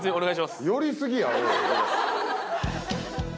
寄り過ぎやおい。